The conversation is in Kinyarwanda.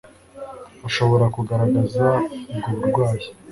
ashobora kugaragaza ubwo burwayi